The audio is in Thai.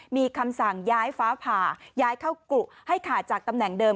มีคำสั่งย้ายฟ้าผ่าย้ายเข้ากรุให้ขาดจากตำแหน่งเดิม